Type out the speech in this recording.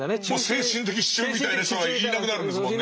精神的支柱みたいな人がいなくなるんですもんね。